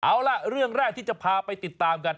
เอาล่ะเรื่องแรกที่จะพาไปติดตามกัน